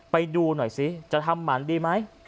ไปดูหน่อยซิจะทำหมันดีไหม